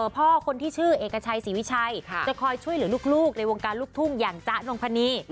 พ่อคนที่ชื่อเอกชัยศรีวิชัยจะคอยช่วยเหลือลูกในวงการลูกทุ่งอย่างจ๊ะนงพนี